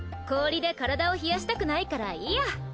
氷で体を冷やしたくないからいいや。